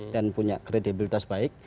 dan punya kredibilitas baik